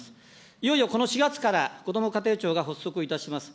いよいよこの４月から、こども家庭庁が発足をいたします。